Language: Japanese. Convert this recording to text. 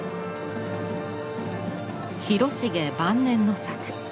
広重晩年の作。